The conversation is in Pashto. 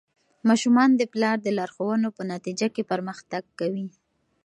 ماشومان د پلار د لارښوونو په نتیجه کې پرمختګ کوي.